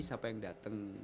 siapa yang dateng